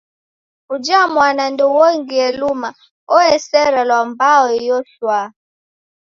Uja mwana ndouongie luma, ooserelwa mbao iyo shwaa.